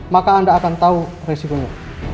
maka anda akan tahu resikonya